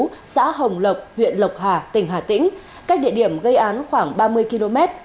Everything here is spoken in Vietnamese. trên thôn thượng phú xã hồng lộc huyện lộc hà tỉnh hà tĩnh cách địa điểm gây án khoảng ba mươi km